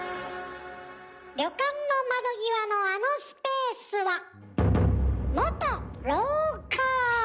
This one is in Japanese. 旅館の窓際の「あのスペース」は元廊下。